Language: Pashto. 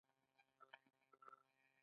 تل ښه ژوند مه غوره کوه.